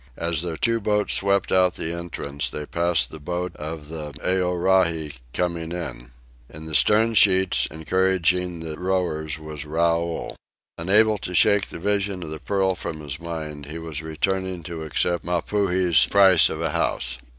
As their two boats swept out the entrance, they passed the boat of the Aorai coming in. In the stern sheets, encouraging the rowers, was Raoul. Unable to shake the vision of the pearl from his mind, he was returning to accept Mapuhi's price of a house.